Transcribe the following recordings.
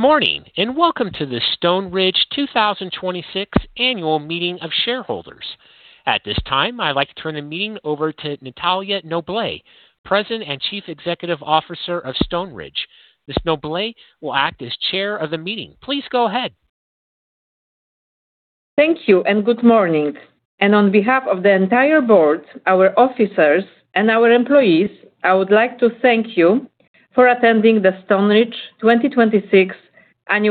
Good morning, welcome to the Stoneridge 2026 Annual Meeting of Shareholders. At this time, I'd like to turn the meeting over to Natalia Noblet, President and Chief Executive Officer of Stoneridge. Ms. Noblet will act as Chair of the meeting. Please go ahead. Thank you. Good morning. On behalf of the entire board, our officers, and our employees, I would like to thank you for attending the Stoneridge 2026 Annual Meeting of Shareholders. I am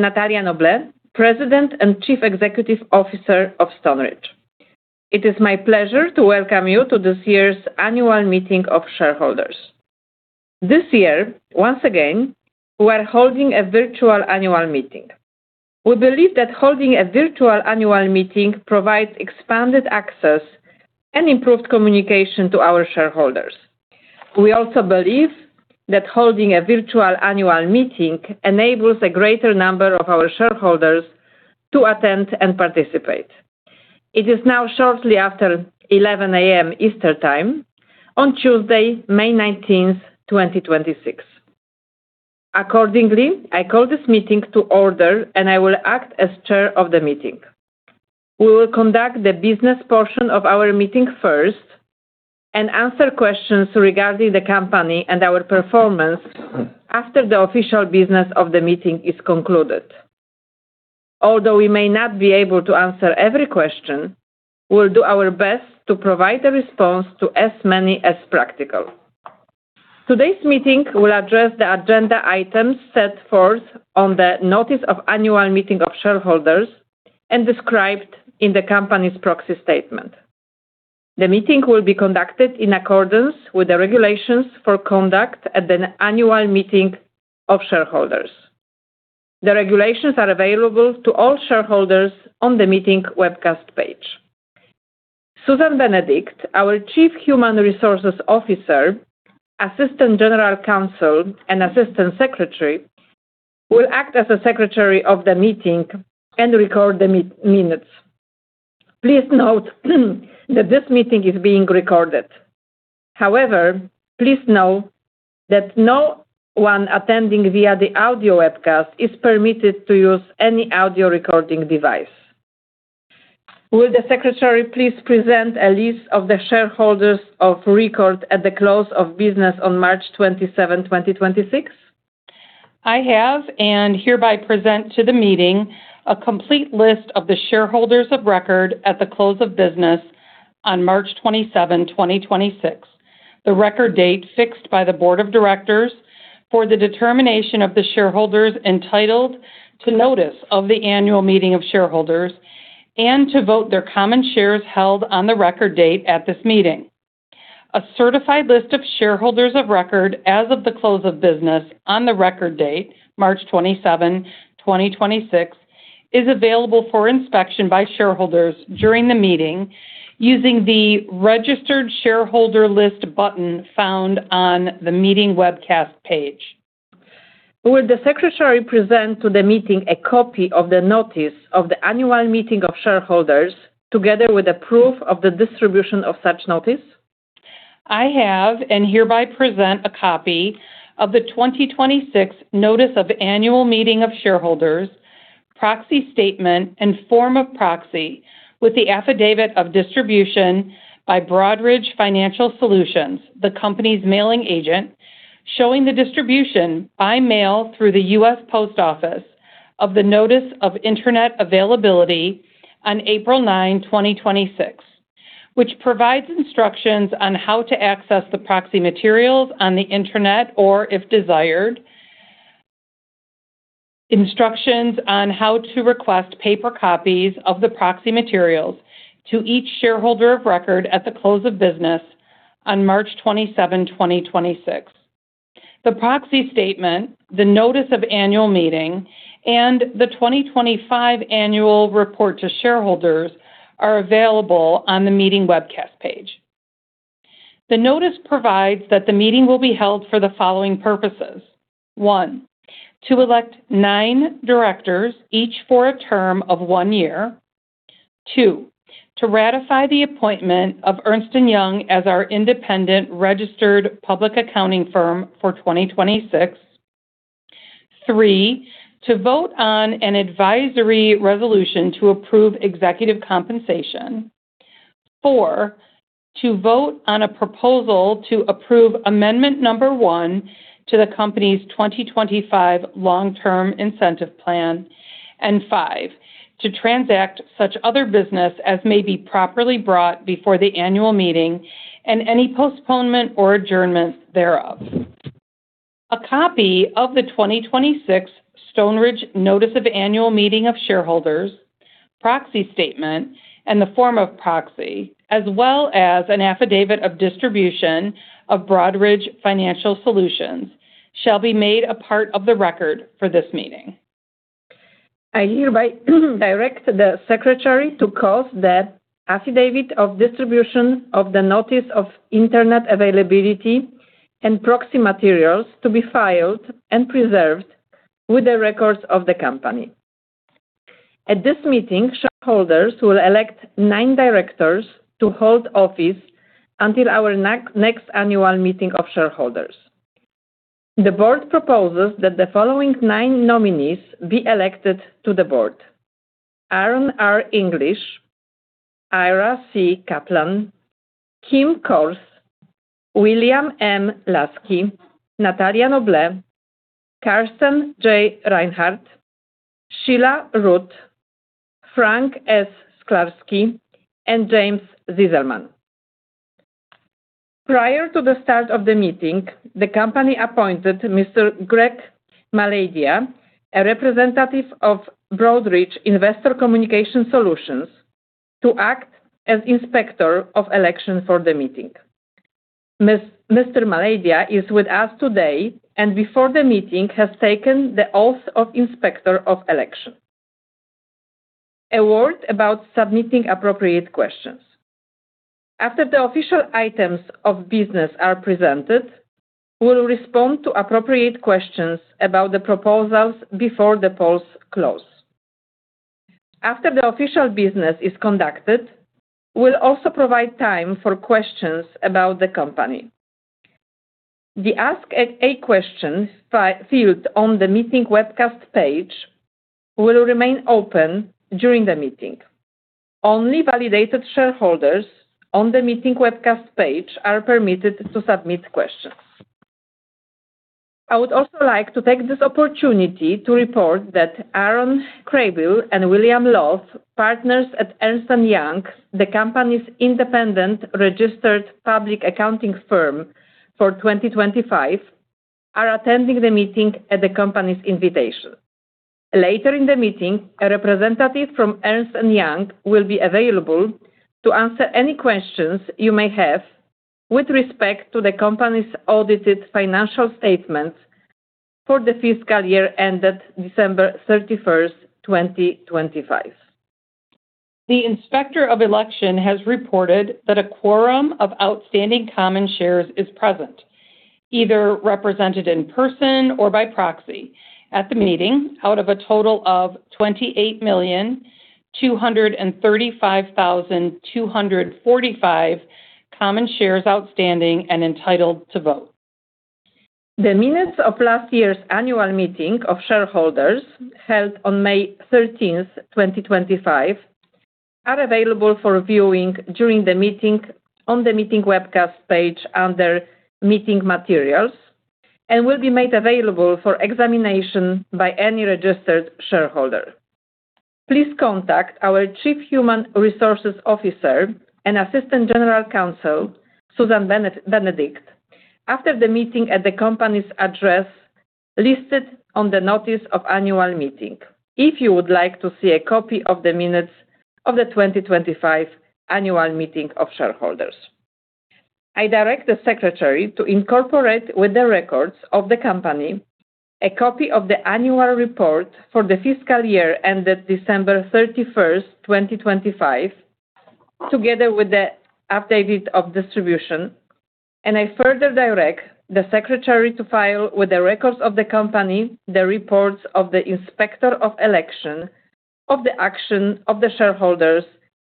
Natalia Noblet, President and Chief Executive Officer of Stoneridge. It is my pleasure to welcome you to this year's Annual Meeting of Shareholders. This year, once again, we are holding a Virtual Annual Meeting. We believe that holding a Virtual Annual Meeting provides expanded access and improved communication to our shareholders. We also believe that holding a Virtual Annual Meeting enables a greater number of our shareholders to attend and participate. It is now shortly after 11:00 A.M. Eastern Time on Tuesday, May 19th, 2026. Accordingly, I call this meeting to order, and I will act as Chair of the meeting. We will conduct the business portion of our meeting first and answer questions regarding the company and our performance after the official business of the meeting is concluded. Although we may not be able to answer every question, we'll do our best to provide a response to as many as practical. Today's meeting will address the agenda items set forth on the Notice of Annual Meeting of Shareholders and described in the company's proxy statement. The meeting will be conducted in accordance with the regulations for conduct at an Annual Meeting of Shareholders. The regulations are available to all shareholders on the meeting webcast page. Susan Benedict, our Chief Human Resources Officer, Assistant General Counsel, and Assistant Secretary, will act as a Secretary of the meeting and record the minutes. Please note that this meeting is being recorded. Please know that no one attending via the audio webcast is permitted to use any audio recording device. Will the Secretary please present a list of the shareholders of record at the close of business on March 27th, 2026? I have and hereby present to the meeting a complete list of the shareholders of record at the close of business on March 27th, 2026, the record date fixed by the Board of Directors for the determination of the shareholders entitled to notice of the Annual Meeting of Shareholders and to vote their common shares held on the record date at this meeting. A certified list of shareholders of record as of the close of business on the record date, March 27th, 2026, is available for inspection by shareholders during the meeting using the Registered Shareholder List button found on the meeting webcast page. Will the Secretary present to the meeting a copy of the notice of the Annual Meeting of Shareholders together with the proof of the distribution of such notice? I have and hereby present a copy of the 2026 Notice of Annual Meeting of Shareholders, proxy statement, and form of proxy with the affidavit of distribution by Broadridge Financial Solutions, the company's mailing agent, showing the distribution by mail through the US Post Office of the notice of Internet availability on April 9, 2026, which provides instructions on how to access the proxy materials on the Internet or, if desired, instructions on how to request paper copies of the proxy materials to each shareholder of record at the close of business on March 27th, 2026. The proxy statement, the Notice of Annual Meeting, and the 2025 Annual Report to Shareholders are available on the meeting webcast page. The notice provides that the meeting will be held for the following purposes. One, to elect nine directors, each for a term of one year. Two, to ratify the appointment of Ernst & Young as our independent registered public accounting firm for 2026. Three, to vote on an advisory resolution to approve executive compensation. Four, to vote on a proposal to approve amendment number one to the company's 2025 Long-Term Incentive Plan. Five, to transact such other business as may be properly brought before the annual meeting and any postponement or adjournment thereof. A copy of the 2026 Stoneridge notice of annual meeting of shareholders, proxy statement, and the form of proxy, as well as an affidavit of distribution of Broadridge Financial Solutions, shall be made a part of the record for this meeting. I hereby direct the Secretary to cause the affidavit of distribution of the notice of Internet availability and proxy materials to be filed and preserved with the records of the company. At this meeting, shareholders will elect nine directors to hold office until our next Annual Meeting of Shareholders. The board proposes that the following nine nominees be elected to the board: Aron R. English, Ira C. Kaplan, Kim Korth, William M. Lasky, Natalia Noblet, Carsten J. Reinhardt, Sheila M. Rutt, Frank S. Sklarsky, and James Zizelman. Prior to the start of the meeting, the company appointed Mr. Greg Maladia, a representative of Broadridge Investor Communication Solutions, to act as Inspector of Election for the meeting. Mr. Maladia is with us today and before the meeting has taken the Oath of Inspector of Election. A word about submitting appropriate questions. After the official items of business are presented, we'll respond to appropriate questions about the proposals before the polls close. After the official business is conducted, we'll also provide time for questions about the company. The Ask a Question field on the meeting webcast page will remain open during the meeting. Only validated shareholders on the meeting webcast page are permitted to submit questions. I would also like to take this opportunity to report that Aaron Crabill and William Loff, Partners at Ernst & Young, the company's independent registered public accounting firm for 2025, are attending the meeting at the company's invitation. Later in the meeting, a representative from Ernst & Young will be available to answer any questions you may have with respect to the company's audited financial statements for the fiscal year ended December 31st, 2025. The Inspector of Election has reported that a quorum of outstanding common shares is present, either represented in person or by proxy at the meeting out of a total of 28,235,245 common shares outstanding and entitled to vote. The minutes of last year's Annual Meeting of Shareholders held on May 13th, 2025, are available for viewing during the meeting on the meeting webcast page under Meeting Materials and will be made available for examination by any registered shareholder. Please contact our Chief Human Resources Officer and Assistant General Counsel, Susan Benedict, after the meeting at the company's address listed on the Notice of Annual Meeting if you would like to see a copy of the minutes of the 2025 Annual Meeting of Shareholders. I direct the Secretary to incorporate with the records of the company a copy of the Annual Report for the fiscal year ended December 31st, 2025, together with the affidavit of distribution. I further direct the Secretary to file with the records of the company the reports of the Inspector of Election of the action of the shareholders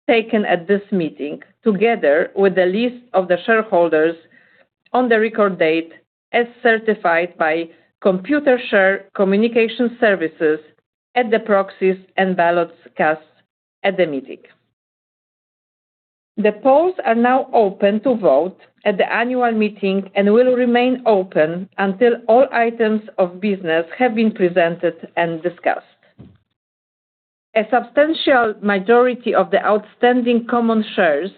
taken at this meeting, together with the list of the shareholders on the record date as certified by Computershare Communication Services at the proxies and ballots cast at the meeting. The polls are now open to vote at the Annual Meeting and will remain open until all items of business have been presented and discussed. A substantial majority of the outstanding common shares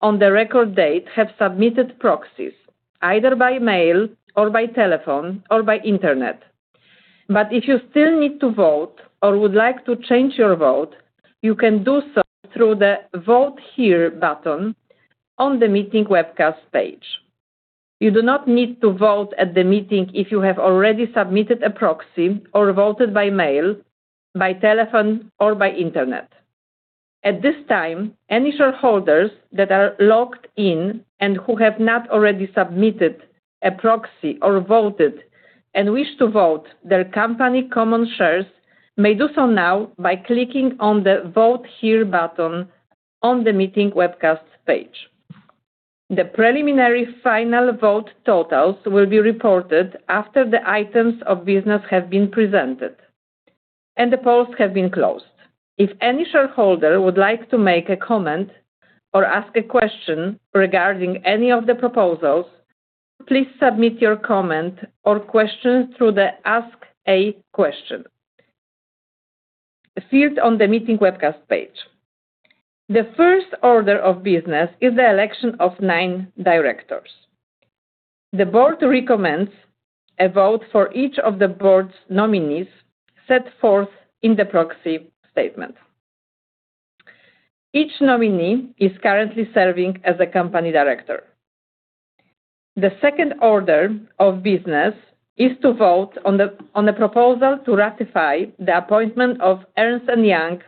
on the record date have submitted proxies, either by mail or by telephone or by internet. If you still need to vote or would like to change your vote, you can do so through the Vote Here button on the meeting webcast page. You do not need to vote at the meeting if you have already submitted a proxy or voted by mail, by telephone, or by internet. At this time, any shareholders that are logged in and who have not already submitted a proxy or voted and wish to vote their company common shares may do so now by clicking on the Vote Here button on the meeting webcast page. The preliminary final vote totals will be reported after the items of business have been presented and the polls have been closed. If any shareholder would like to make a comment or ask a question regarding any of the proposals, please submit your comment or question through the Ask a Question field on the meeting webcast page. The first order of business is the election of nine directors. The board recommends a vote for each of the board's nominees set forth in the proxy statement. Each nominee is currently serving as a company director. The second order of business is to vote on the proposal to ratify the appointment of Ernst & Young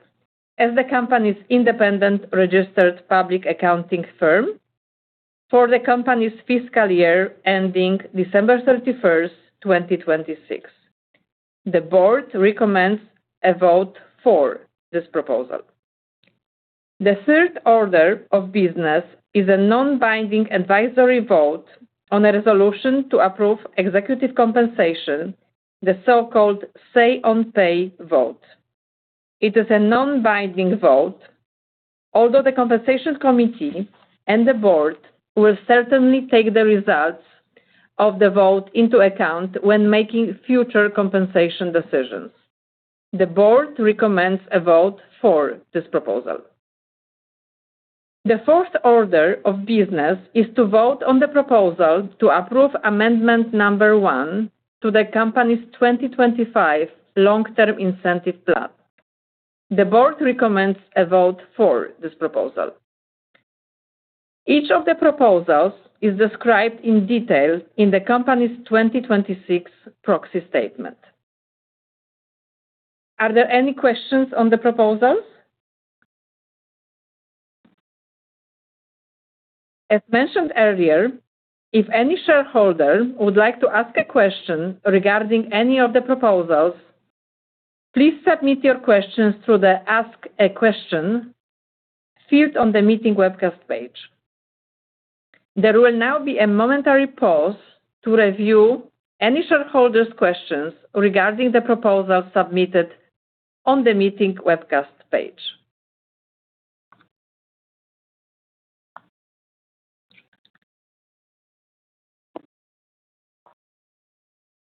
as the company's independent registered public accounting firm for the company's fiscal year ending December 31st, 2026. The board recommends a vote for this proposal. The third order of business is a non-binding advisory vote on a resolution to approve executive compensation, the so-called Say-on-Pay vote. It is a non-binding vote, although the compensation committee and the board will certainly take the results of the vote into account when making future compensation decisions. The board recommends a vote for this proposal. The fourth order of business is to vote on the proposal to approve amendment number one to the company's 2025 Long-Term Incentive Plan. The board recommends a vote for this proposal. Each of the proposals is described in detail in the company's 2026 proxy statement. Are there any questions on the proposals? As mentioned earlier, if any shareholder would like to ask a question regarding any of the proposals, please submit your questions through the Ask a Question field on the meeting webcast page. There will now be a momentary pause to review any shareholders' questions regarding the proposals submitted on the meeting webcast page.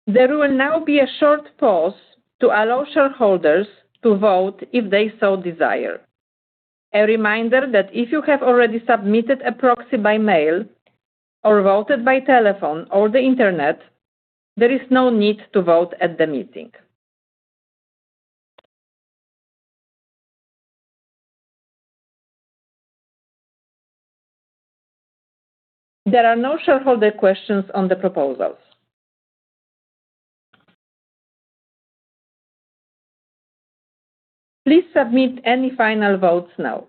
There will now be a short pause to allow shareholders to vote if they so desire. A reminder that if you have already submitted a proxy by mail or voted by telephone or the Internet, there is no need to vote at the meeting. There are no shareholder questions on the proposals. Please submit any final votes now.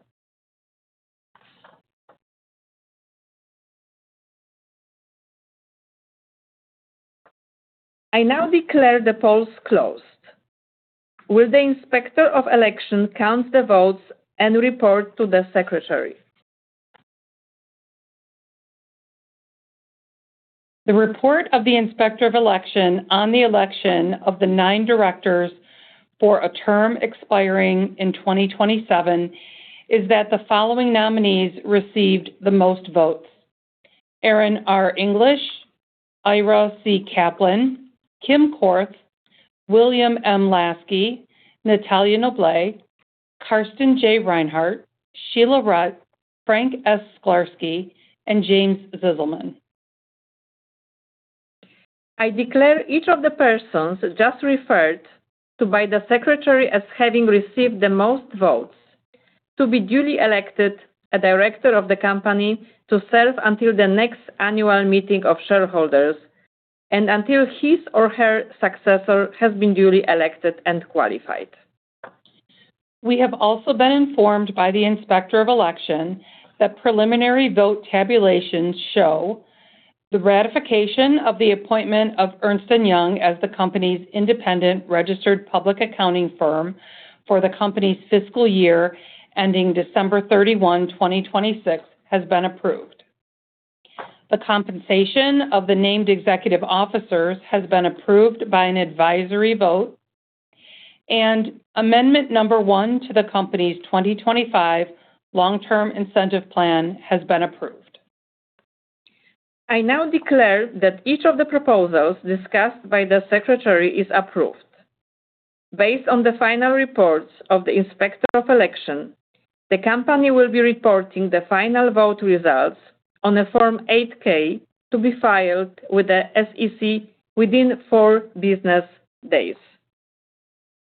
I now declare the polls closed. Will the Inspector of Election count the votes and report to the Secretary? The report of the Inspector of Election on the election of the nine directors for a term expiring in 2027 is that the following nominees received the most votes: Aron R. English, Ira C. Kaplan, Kim Korth, William M. Lasky, Natalia Noblet, Carsten J. Reinhardt, Sheila Rutt, Frank S. Sklarsky, and James Zizelman. I declare each of the persons just referred to by the Secretary as having received the most votes to be duly elected a director of the company to serve until the next annual meeting of shareholders and until his or her successor has been duly elected and qualified. We have also been informed by the Inspector of Election that preliminary vote tabulations show the ratification of the appointment of Ernst & Young as the company's independent registered public accounting firm for the company's fiscal year ending December 31, 2026, has been approved. The compensation of the named executive officers has been approved by an advisory vote and amendment number one to the company's 2025 Long-Term Incentive Plan has been approved. I now declare that each of the proposals discussed by the Secretary is approved. Based on the final reports of the Inspector of Election, the company will be reporting the final vote results on a Form 8-K to be filed with the SEC within four business days.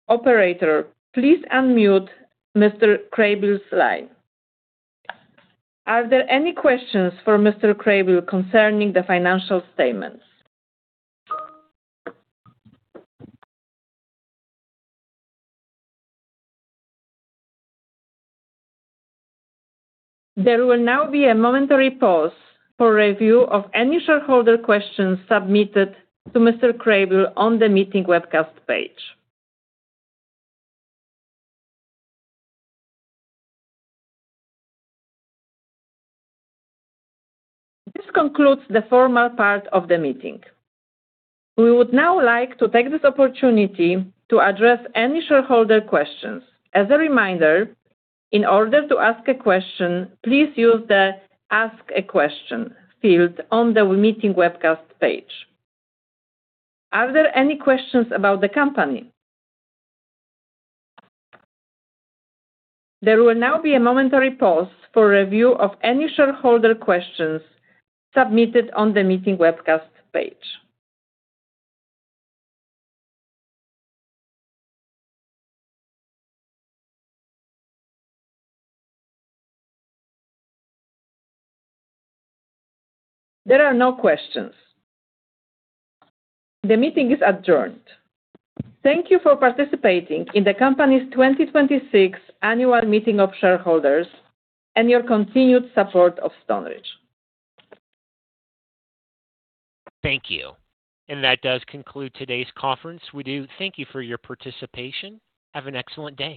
Operator, please unmute Mr. Crabill's line. Are there any questions for Mr. Crabill concerning the financial statements? There will now be a momentary pause for review of any shareholder questions submitted to Mr. Crabill on the meeting webcast page. This concludes the formal part of the meeting. We would now like to take this opportunity to address any shareholder questions. As a reminder, in order to ask a question, please use the Ask a Question field on the meeting webcast page. Are there any questions about the company? There will now be a momentary pause for review of any shareholder questions submitted on the meeting webcast page. There are no questions. The meeting is adjourned. Thank you for participating in the company's 2026 Annual Meeting of Shareholders and your continued support of Stoneridge. Thank you. That does conclude today's conference. We do thank you for your participation. Have an excellent day.